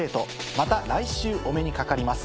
また来週お目にかかります。